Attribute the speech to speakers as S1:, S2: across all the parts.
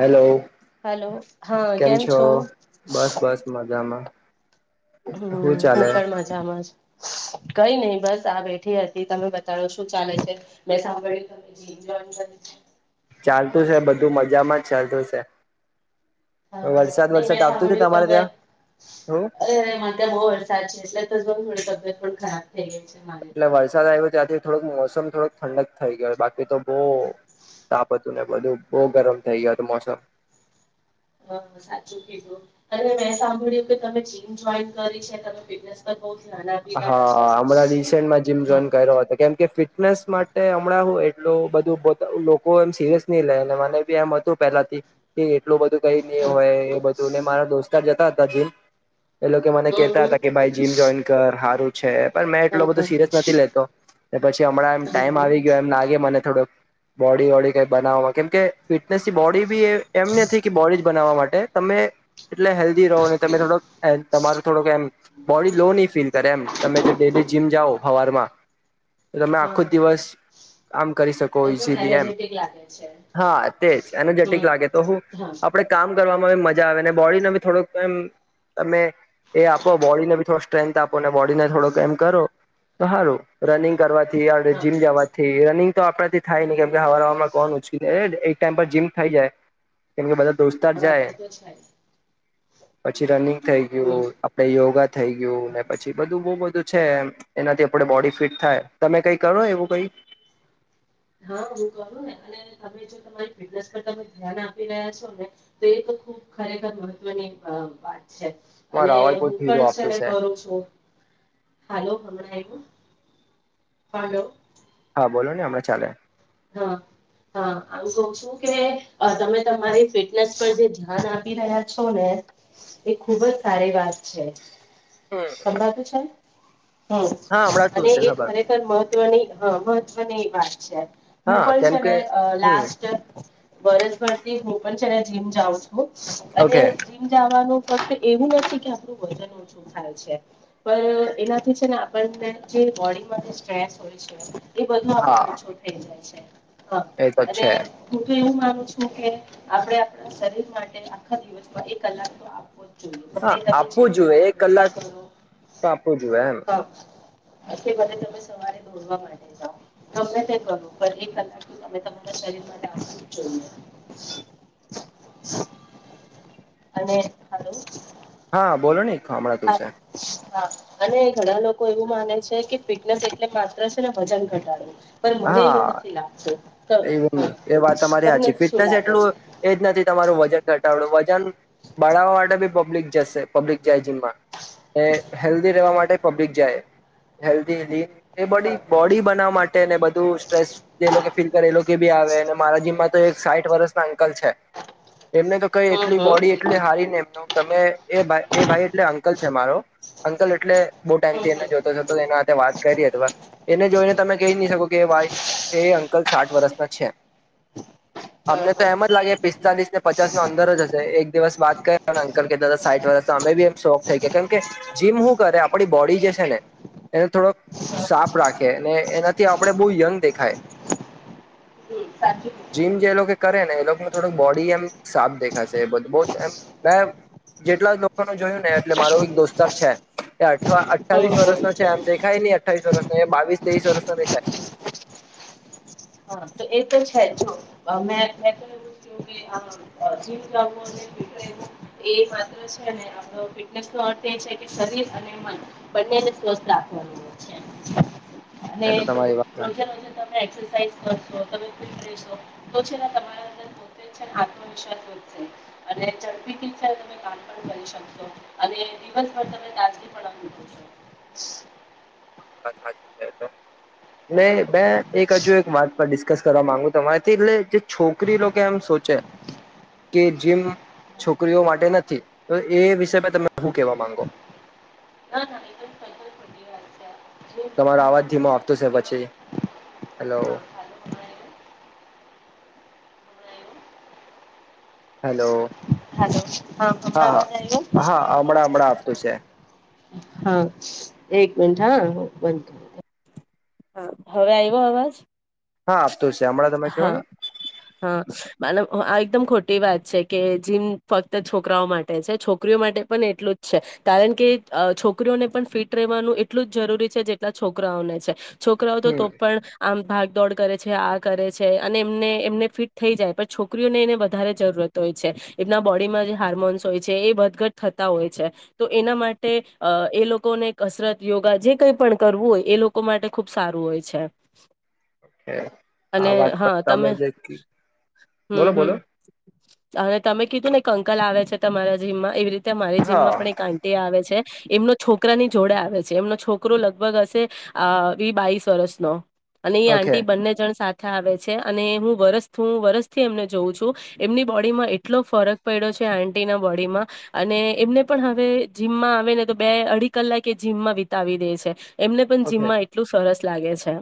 S1: Hello, કેમ છો? બસ બસ મજામાં.
S2: હમ હું પણ મજામાંજ. કઈ નહી બસ આ બેઠી હતી તમે બતાડો શું ચાલે છે? મેં સાંભળ્યું
S1: ચાલતું છે બધું મજામાં જ ચાલતું છે.
S2: હા હ
S1: વરસાદ
S2: નહી
S1: વરસાદ
S2: મેં
S1: આવતું છે
S2: સાંભળ્યું
S1: તમારે
S2: તમે
S1: ત્યાં હું
S2: અરે મા ત્યાં બહુ વરસાદ છે એટલે તો મળ બલકુલ ખરાબ થઈ ગઈ છે. મારી તો
S1: એટલે વરસાદ આવ્યો ત્યાંથી થોડક મોસમ થોડોક ઠંડક થઈ ગયો બાકી તો બહુ તાપ હતું ને બધું બહુ ગરમ થઈ ગયો હત મોસમ.
S2: સાચું કીધું, ત મેં સાંભળ્યું કે તમે જોઈન કરી છે તમે બહુ ધ્યાન આપી રહ્યા છો
S1: હા હમણાં રીસેન્ટમાં જીમ
S2: હા
S1: જોઈન કર્યો હતો કેમ કે ફ ફટનેસ માટે હમણાં હું એટલું બધું લોકો એમ સિરિયસ નહી લે મને બી એમ હતું પહેલાથી. એટલું બધું કઈ નહી
S2: હા
S1: હોય એ બધું ને મારા દોસ્તાર જતા જ ત જેન. એ લોકો
S2: હમ
S1: મને
S2: હા
S1: કેહેતા હતા કે
S2: હા
S1: ભાઈ જીમ જોઈન હારું છે. પણ મેં એટલો બધો સીરિયસ નથી લેતો. કે પછી હમણાં એમ
S2: હા
S1: ટાઈમ
S2: હા
S1: આવી ગયો એમ લાગે મને થોડો બોડી વોડી કઈ બનાવવામાં કેમ કે ફિટનેસ થી બોડી બી એ એમ નથી કે બોડીજ બનાવવા મા એ તમે એટલે હેલ્ધી રહો ને તમે થોડોક તમારું થોડુંક એમ બોડી લોન. એમ તમે જે ડેલી જીમ જાઓ ફવાર માં તમે
S2: હા
S1: આખો જ
S2: હા
S1: દિવસ આમ.
S2: એકદમ
S1: કરી એ
S2: એનર્જેટિક લાગે છે
S1: હા
S2: હમ
S1: એજેટિક લાગે તો હું
S2: હા
S1: આપણે કામ કરવા મજા આવે બોડીને બી થોડુંકમ તમે એ આપો બોડીને ભી થોડો સ્ટન્થ આપોને બોડીને થોડોક એમ કરો તો સારું રનિંગ કરવાથી થીડ
S2: હા
S1: જીમ જવાથી રનિંગ. તો આપડા થી થાય નહી કેમ કે હવા હ કોણ ઓછીાય એક ટાઈમ પર જીમ થઈ જાય કેમ કે બધા દોસ્તાર
S2: હા
S1: જાય
S2: એ તો છે જ
S1: પછી રનિંગ થઈ
S2: હમ
S1: ગયું આપડે યોગા થઈ
S2: હા
S1: ગ પછી બધું બધું છે એનાથી આપ બોડી ફિટ થાય તમે કઈ કરો એવું કઈ
S2: હા હું કરું ને અને તમે જો તમારી ફિટનેસ પર તમે ધ્યાન આપી રહ્યા છો ને તો એ ખુબ ખરેખર મહત્વની વાત અને
S1: મારો અવાજ બહુ
S2: હું
S1: ધીરો
S2: પણ છે
S1: આપતું
S2: ને કરું છું હાલો હમણાં એ. હાલો.
S1: હા બોલો ને અણા ચાલે.
S2: હા હા આું ક છું કે તમે તમારી ફિટનેસ પર જે ધ્યાન આપી રહ્યા છો ને એ ખુબ જ સારી વાત છે. કળાતું છે. હમ
S1: હા હમણાં શું
S2: અને
S1: છે
S2: એ
S1: ખબર
S2: ખરેખર મહત્વની હ મહત્વ બધ એ વાત છે. હું
S1: હા
S2: પણ
S1: કેમ
S2: છે
S1: કે
S2: ને
S1: હમ
S2: લાસ્ટ. બરસ ભરથી હું પણ છેને જીમ જાઉ અ
S1: ઓકે
S2: જીમ જવાનું. ફક્ત એવું નથી કે આપણું વજન ઓછું થાય છે પણ એનાથી છે ને આપણને જે બોડીમાં જે સ્ટ્રેસ હોય છે. એ બધું આપણો
S1: હા
S2: ઓછો થઈ જાય છે. હા
S1: તો
S2: અ એ.
S1: છે
S2: કે આપ આપણા શરીર માટે આખા દિવસમાં એ કલાક તો આપવો ત
S1: હા
S2: ભીજીી
S1: આપવું જોઈએ એક
S2: જાવાગા
S1: કલાક
S2: કરો
S1: તો આપવું જોઈએ એમ
S2: હા. એ કે ભલે તમે સવારે દોડવા માટે જાાવ તમને ક કરો. એક કલાક તમે તમારા શરીર માટે આપ જોઈએ અને હાલ
S1: હા બોલો નને.
S2: [unintelligible] અને ઘણા લોકો એવું માને છે કે ફિટનેસ એટલે માત્ર છે ને વજન ઘટાડું. પણ મને
S1: હા
S2: એવું નથી લાગતું. તો
S1: એવું એ
S2: હા
S1: ને એ વાત તમારી
S2: તમને
S1: હાચી.
S2: શું
S1: ફિટનેસ
S2: લાગે
S1: એટલું
S2: છે
S1: એજ નથી તમારું વજન ઘટાડું વજન બાવવા માટે બી પબ્લિક જશે પબ્લિક જાય જીમમાં. એ હેલ્ધી રહેેવા
S2: હા
S1: માટે પબ્લિક જાય. હલ્દી એલ્દી. એ બોડી
S2: હા
S1: બોડી બનાવવા માટે ને બધું સ્ટ્રેસ જે લોકે ફીલ એ લોકે બી આવે ને મારા જી જીમ માં તો એક સાઈઠ વર્ષ ના અંકલ છે. એમને તો કઈ
S2: હમ
S1: એટલી
S2: હમ
S1: બોડી એટલી હારી ને એમનો તમે એ ભાઈ એ ભાઈ એટલે અંકલ છે મારો અંકલ એટલે બહુ ટાઈમ
S2: હમ
S1: થી એને
S2: હમ
S1: જોતો જોતો એના તે વાત કરી અથવા એને જોઈને તમે કહી નહી શકો કે વાય એ અન્ક કલ સાઠ વર્ષના છે.
S2: હા હા
S1: અમને તો
S2: હા
S1: એમ જ લાગે પિસ્તાલીસ ને પચાસ ના અંદર જ હશે એક દિવસ બાત કર અંકલ કે દાદા સાઠ વર્ષનો અમે બી એમ શોખ થઈ ગયા કેમ કે જીમ શું કરે આપડી બોડી જે છે ને એને થોડોક સાફ રાખે અનેને એનાથી આપડે બહુ યંગ દેખાય.
S2: હમ સાચું કીધું
S1: જીમ જે લોકો
S2: તમે
S1: કરે ને એ લોકો થોડક બોડી એમ સાફ દેખાશે બધ બો એ મેં જેટલા લોકો ન જોયું ને એટલે મારો એક દોસ્તાર છે એ અથરા અઠ્ઠાવીસ
S2: હમ હમ
S1: વર્ષનો છે એમ દેખાય નહી અઠાવીસ વર્ષનો એ બાવીસ તવીસ વર્ષ નો દેખાય.
S2: હા તો એ તો છે જો અહ મેં મેં કહું કે આમ જીમ જાઉં એવીય માત્ર છે ને અહ ફિટનેસ ના છે ને શરીર અને બંને ને સ્વસ્થ રાખવાનું હોય છે. અને
S1: એ તો
S2: જો
S1: તમારી વાત
S2: રોજે રોજે તમે એક્સરસાઇઝ કર તો તમે ફિટ રહેશો તો છે તમારા અંદર પોતે છે આત્મવિશ્વાસ વધશે અને ઝડપી થી છે તમે કામ પણ કરી શકશો અને દિવસભર તમે દાજગી પણ અનુભવશો.
S1: તમારી વાત સાચી છે એ તો. ને
S2: હા
S1: બે એક ક જો એક વાત પર ડિસ્કસ કરવા માંગુ તમારીથી એટલે જે છોકરી લોકો એમ સોચે કે જીમ
S2: હા
S1: છોકરીઓ માટે નથી તો એ વિષ પર તમે શું કેવા માંગો?
S2: ના ના એ તો તદ્દન ખોટી વાત છે જે બધા
S1: તમારો અવાજ ધીમો
S2: માટે
S1: આપતો છે
S2: ઇવન
S1: પછી. હેલો. હેલો.
S2: હાલો
S1: હા
S2: હમણાં અવાજ
S1: હા
S2: આવ્યો
S1: હા હમણાં હમણાં આ શું છે?
S2: હા એક મિનટ હા બંધ થવો દે. હા હવે આવ્યો અવાજ?
S1: હા. તો શામળા તમે કેહો ને.
S2: માનવ આ એકદમ ખોટી વાત છે કે જીમ ફક્ત છોકરાઓ માટે છે, છોકરીઓ માટે પણ એટલું જ છે. કારણ કે અહ છોકરીઓને પણ ફિટ રવાનું એટલું જ જરૂરી છે, જેટલા છોકરાઓને છે. છોકરાઓ તો
S1: હમ
S2: તો પણ આમ ભાગ દોડ કરે છે આગ કરે છે અને એમને એમને ફિટ થઈ જાય પણ છોકરીઓને એને વધારે જરૂરત હોય છે, એમના બોડીમાં જે હાર્મોન્સ હોય છે એ વધઘટ થતા હોય છે, તો એના માટે એ લોકોને કસરત યોગા જે કઈ પણ કરવું હોય એ લોકો માટે ખૂબ સારું હોય છે.
S1: ઓકે [inaudible]
S2: અને હા તમે હમ
S1: બોલો
S2: હમ,
S1: બોલો
S2: અને તમે કીધું ને એક અંકલ આવે છે તમારા જીમમાં એવી રીતે મારી
S1: હા
S2: જીમમાં પણ એક આંટી આવે છે. એમનો છોકરાની જોડે આવે છે એમનો છોકરો લગભગ હશે, આ બાવીસ વર્ષનો. અને એ
S1: ઓકે
S2: આંટી બંને જણ સાથે આવે છે અને હું વરસ વરસથી એમને જોઉં છું એમની બોડીમાં એટલો ફરક પડ્યો છે આટીના બોડીમાં અને એમને પણ હવે જીમમાં આવે ને તો બે અઢી કલાક એ જીમમાં વિતાવી દે છે એમને પણ
S1: ઓકે
S2: જીમમાં એટલું સરસ લાગે છે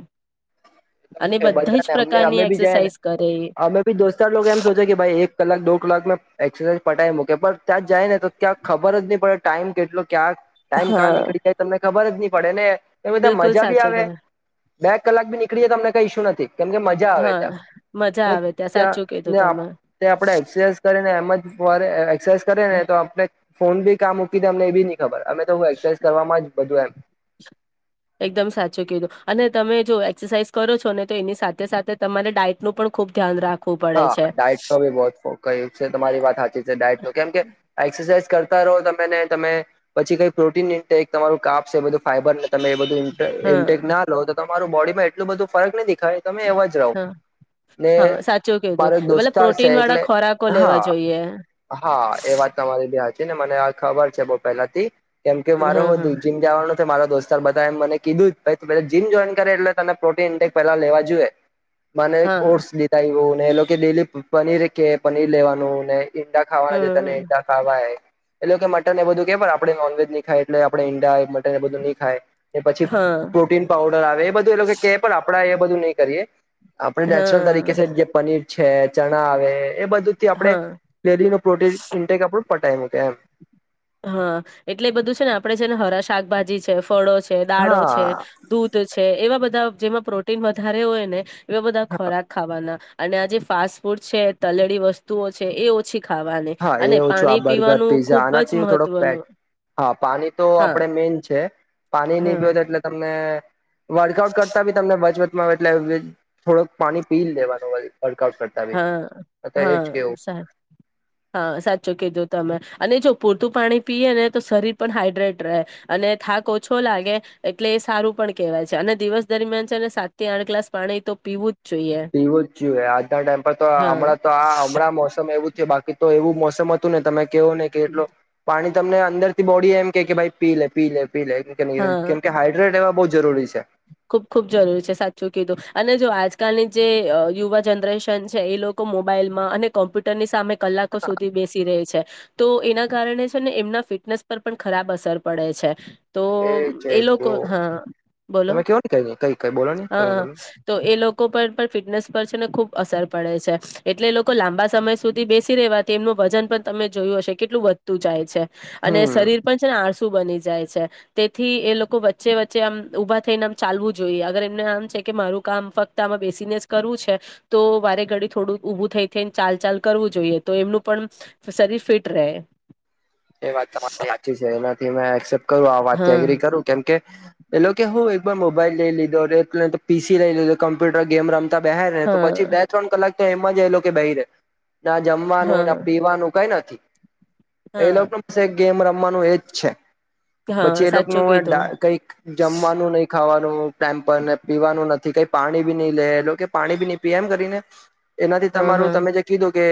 S2: અને
S1: છે
S2: બધા જ
S1: બધાને અમે
S2: પ્રકારની
S1: બીજયે ને
S2: એક્સરસાઇઝ કરે એ
S1: અમે ભી દોસ્તાર લોકો એમ સોચે એક કલાક દો કલાક એક્સરસાઇઝ પટાવી મૂ પણ ત્યાં જાય ને તો ત્યાં ખબર જ નહી પડે ટાઈમ કેટલો ક આ ટાઈમ કા
S2: હા
S1: નીકળી જાય તમને ખબર જ ની પડે ને એ બંધા
S2: બિલકુલ
S1: મજા ભી
S2: સાચું
S1: આવે
S2: કે
S1: બે કલાક બી નીકળે તો અમને કંઈ ઈસુ નથી કેમકે મજા આવે
S2: હા મજા
S1: ત્યાં
S2: આવે ત્યાં સાચું કીધું
S1: ત્યાંને
S2: તમે
S1: આપણે એક્સરસાઈઝ કરીને એમ જ એક્સરસાઈઝ કરે ને તો આપણે ફોન ભી કા મૂકી ડે અમને એ બી ની ખબર અમે તો હું એક્સરસાઈઝ કરવામાં જ બધું એમ
S2: એકદમ સાચું કીધું અને તમે જો એક્સરસાાઈઝ કરો છો ને તો એની સાથે સાથે તમારે ડાયટનું પણ ખુબ ધ્યાન રાખ
S1: હા ડાયટનુ બી બો ફોક કઈ છે તમારી વાત હાચી છે ડાયટનુ કેમ કે એક્સરસાઇઝ કરતા રહો તમે ને તમે પછી કઈ પ્રોટીન ઇન્ટટેક તમારું કાબ શે બધું ફાઈબર ન તમે એ બધું ઇન્ટટેક
S2: હા
S1: ના લો તો તમારું બોડી એટલું બધું ફરક નથી થાય તમે એવા જ રહો
S2: હા
S1: ને
S2: હા સાચું કીધું
S1: મારો એક
S2: મતલબ
S1: દોસ્તાર શે
S2: પ્રોટીન
S1: એટલે
S2: વાળા ખોરાકો લેવા
S1: હા
S2: જોઈએ.
S1: હા એ વાત તમારી ભી હાચી ને મને આ ખબર છે બો પહેલાથી કેમ કે મારો
S2: હા હા
S1: દુ જીમ જવાનો મારા દોસ્તારો બધા એમ મને કીધું જ કે જીમ જોઈન કરે એટલે તને પ્રોટીન ઈન્ટેક પેલા લેવા જોઈએ મને એક
S2: હા
S1: ઓટ્સ [unintelligible] ઓ એ લોકો ડેલી પનીર કે પનીર લેવાનું ને ઈંડા ખાવાના છે તને
S2: હા
S1: ઈંડા ખાવાય એઈ લોકો કે મટન એ બધું કે પણ આપણે નોનવેજ ન ખાય એટલે આપણે ઈન્ડએ મટન એ બધું ની ખાઈ પછી
S2: હા
S1: પ્રોટીન પઉડર આવે એ બધું એ લોકો કે પણ આપડા એ બધું નહી કરીએ આપણે નેચરલ તરીકે
S2: હા
S1: યે છે [unintelligible] છે ચણા આવે એ બધું થી આપડે
S2: હા
S1: ડેલી નું પ્રોટીન ઇન્ટેક આપણું ટાઈમ કે એમ.
S2: હા, એટલે બધું છે ને આપડે છે ને હરા શાકભાજી છે. ફળો છે દાડો
S1: હા
S2: છે, દૂધ છે એવા બધા બ જેમાં પ્રોટીન વધારે હોય ને. એ બધા ખોરાક ખાવાના. અને આ જેે ફાસ્ટ ફૂડ છે તલેળ વસ્તુઓ છે એ ઓછી ખાવાની,
S1: હા એ
S2: અને
S1: ઓછું આ
S2: પાણી
S1: બર્ગર
S2: પીવાનું
S1: પીઝા
S2: ખુબ જ
S1: આનાથી થોડોક
S2: મહત્વનું
S1: ફેટ હા પાણી તો
S2: હા
S1: આપણેે મેઈન છે, પાણી ની
S2: હા
S1: પય તો એટલે તમને વર્કઆઉટ કરતા બી તમને બચ એટલે થોડુંક પાણી પી લેવાનું હોય. વર્કઆઉટ કરતા અ,
S2: હા
S1: એજ
S2: હા
S1: કેવું.
S2: સા હા સાચું કીધું તમે, અને જો પૂરતું પાણી પીએ ને તો શરીર પણ હાઈડ્રેટ રહે, અને થાક ઓછો લાગે એટલે એ સારું પણ કહેવાય છે અને દિવસ દરમિયાન છે ને સાત થી આઠ ગ્લાસ પાણી તો પીવું જ જોઈએ
S1: એવો જ જો આ ટાઈમ પર તો
S2: હા
S1: હમણાં તો આ હમણાં મોસમ એવું છે બાકી તો એવું મોસમ હતું ને તમે કેવો નને કે એટલો પાણી તમને અંદર થી બોડી એમ કે કે ભાઈ પી લે પી લે. પી કેમ કેમ કે હાઈડ્રેટ એવા બ જરૂરી છે.
S2: ખુબ ખુબ જરૂરી છે સાચું કીધું અને જો આજ આજકાલની જે યુવા જનરેશન છે એ લોકો મોબાઈલમાં અને કોમ્પ્યુટરની સામે કલાકો સુધી બેસી રહી છે. તો એના કારણે છે ને એમના ફિટનેસ પર પણ ખરાબ અસર પડે છે. તો
S1: છે
S2: એ લોકો
S1: બહ
S2: હા. બોલો
S1: તમે કેવો ન ક કઈ કઈ બોલો તમે
S2: હા
S1: બોલો.
S2: તો એ લોકો પર પણ ફિટનેસ પર છે ને ખૂબ અસર પડે છે, એટલે એ લોકો લાંબા સમય સુધી બેસી રહેવાથી એમનું વજન પણ તમે જોયું હશે કેટલું વધતું જાય છે. અને
S1: હમ
S2: શરીર પણ છે ને આડ શું બની જાય છે તેથી એ લોકો વચ્ચે વચ્ચે આમ ઊભા થઈને આમ ચાલવું જોઈએ. અગર એમને આમ છે કે મારું કામ ફક્ત આમાં બેસીને જ કરવું છે તો વારે ઘડી થોડું ઊભું થઈ થઈને ચાલ ચાલ કરવું જોઈએ તો એમનું પણ શરીર ફિટ રહે.
S1: એ વાત તમારી હાચી છે એનાથી મેં એસેપ્ટ કરું આમ વાત થી એગ્રી
S2: હા
S1: કરું કેમ કે પેલો કે હું એકબાર મોબાઈલ લઈ લીધોરે એ તો પી સી લઈ લીધો કમ્પ્યુટર ગેમ રમ તો બહેર રહે તો પછી
S2: હા
S1: બે ત્રણ કલાક તો એમાં જ એ લોકે બેહી રહે. ના જમવાનું
S2: હા
S1: ના પીવાનું કઈ નથી. એ
S2: હા
S1: લોકો બસ એક ગેમ રમ વાનું એજ છે.
S2: હા
S1: પછી એ લોક
S2: સાચું
S1: નું આ
S2: કીધું
S1: ડા કઈ જમવાનું નહી ખાવા નું પેમ્પણ ને પીવાનું નથી કઈ પાણી ભી નહી લે એ કે પાણી ભી નહી પી એમ કરીને એનાથી
S2: હા હા
S1: તમારું તમે જે કીધું કે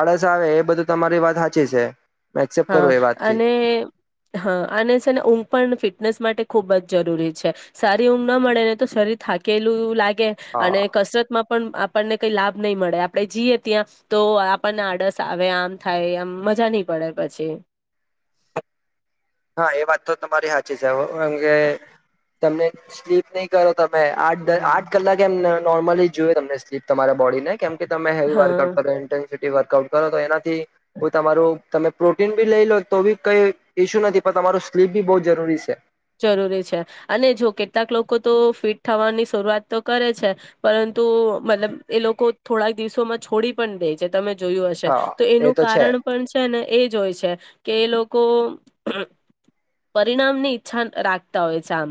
S1: આળસ આવે એ બધું તમારી વાત હાચી છે. મે એક્સેપ્ટ
S2: હા
S1: કરું એ વાતથી
S2: અને હા અને છે ને ઊંઘ પણ ફિટનેસ માટે ખુબ જ જરૂરી છે સારી ઊઘ ના મળે ને તો શરીર થાકેલું લાગે ગે અને
S1: હા
S2: કસરત માં પણ આપણને કઈ લાભ નહીિ મળે આપડે જઈયએ ત્યાં તો આપણને આડસ આવે આમ થાય આમ મજા નહી પડે પછી
S1: હા એ વાત તો તમારી હચી જ હ ઓ એમ કે તમને સ્લીપ નહી કરો તમે આઠ આઠ કલાક એમ નોર્મલી જોય તમને સ્લીપ તમારા બોડીને કેમ કે તમે હેવી વર્કઆઉટ
S2: હા
S1: કરો [unintelligible] એ વર્કઆઉટ કરો તો એનાથી હુ તમારુ તમે પ્રોટીન ભી લઈ લો તો બી કઈ ઇશ્યુ નથી પણ તમારું સ્લીપ બી બોહ જરૂરી શે
S2: જરૂરી છે અને જો કેટલાક લોકો તો ફિટ થવાની શરૂઆત તો કરે છે પરંતુ મતલબ એ લોકો થોડાક દિવસોમાં છોડી પણ દે છે તમે જોયું હશે
S1: હા
S2: તો
S1: એ
S2: એનું
S1: છે
S2: કારણ પણ છે ને એ જ હોય છે કે એ લોકો કો પરીણામ ની જાન રાખતા હોય છે આમ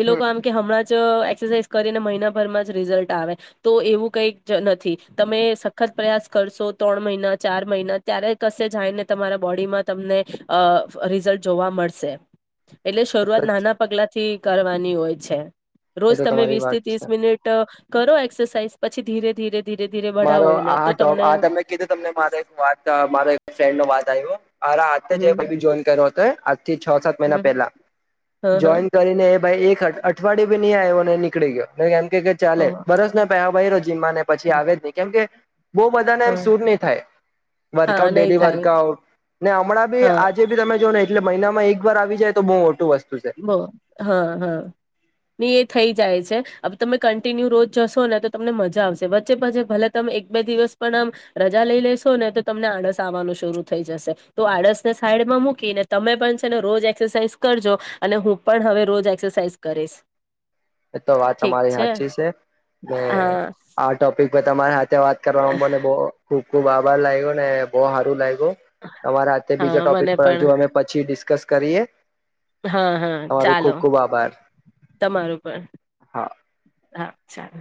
S2: એ
S1: હમ
S2: લોકો આમ કે હમણાં એક્સરસાઇઝ કરીને મહિનાભરમાં જ રિઝલ્ટ આવે, તો એવું કઈ નથી તમે સખત પ્રયાસ કરશો ત્રણ મહિના ચાર મહિના ત્યારે કશે જાયને તમારા બોડીમાં તમને, રિઝલ્ટ જોવા મળશે. એટલે
S1: એ તો
S2: શરૂઆત નાના પગલા થી કરવાની હોય. છે. રોજ
S1: એ તો
S2: તમે
S1: તમારી
S2: વીસ થી
S1: વાત
S2: ત્રીસ
S1: છે
S2: મિનિટ કરો એક્સરસાઇઝ પછી ધીરે ધીરે. ધીરે ધીરે
S1: મારો
S2: બઢાવો એને
S1: આ
S2: તો
S1: ટોપ
S2: તમને
S1: આ તમે કીધું તમને મા વાત મા ફ્રેન્ડ ન વાત [unintelligible] અરા હાતેજ એ
S2: હમ
S1: ભી જોઈન કર હતે. તે છ સાત મહિના
S2: હમ
S1: પહેલા
S2: હ હ
S1: જોઈન કરીને એ ભાઈ એક અઠ અઠ વાડી ભી નઈ આયો અને નીકળી ગયો. કે ચાલે
S2: ઓહ
S1: બરોસ નો પેહા ભયરો છે. જીમ ને પછી આવે જ કેમ કે બહ બધાને
S2: હ
S1: એમ સુર નહી થાય
S2: હા
S1: વર્કઆઉટ
S2: નહી
S1: ડેલી
S2: થાય
S1: વર્કઆઉટ ને હમણાં બી
S2: હા
S1: આજે બી તમે જો ને એટલે મહિનામાં એક વાર આવી જાય તો બહુ મોટું વસ
S2: બો હા હા ની એ થઈ જાય છે. અબ તમે કન્ટિન્યુ રોજ જશો ને તો તમને મજા આવશે વચ્ચે પછી ભલે તમે એક બે દિવસ પણ આમ રજા લઈ લેશો ને તો તમને આળસ આવવાનું શરૂ થઈ જશે તો આળસને સાઈડમાં મૂકીને તમે પણ છે ને રોજ એક્સરસાઇઝ કરજો. અને હું પણ હવે રોજ એક્સરસાઇઝ કરીશ.
S1: તો વાત તમારી હાચી છે મે
S2: હા
S1: આ ટોપિક તમારા તે વાત કરવામાં મને બ ખબ ખુબ આભાર લાગ્યો ને બહ હારું લાઈગુ. તમારા બીજા
S2: હા
S1: ટોપિક
S2: મને
S1: પર
S2: પણ
S1: હ અમે પછી ડિસ્કસ કરીએ.
S2: હા હા
S1: તમારું ખુબ
S2: ચાલો
S1: ખુબ આભાર
S2: તમારું
S1: હા
S2: હા. ચાલ.